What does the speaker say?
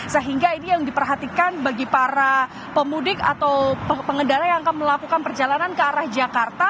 sehingga ini yang diperhatikan bagi para pemudik atau pengendara yang akan melakukan perjalanan ke arah jakarta